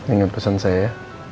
ini pesan saya ya